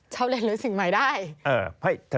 ชอบเรียนรู้สิ่งใหม่ได้